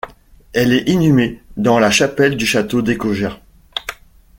Elle est inhumée dans la chapelle du château d'Écogia.